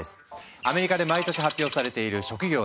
アメリカで毎年発表されている職業の魅力度